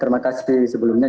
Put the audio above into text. terima kasih sebelumnya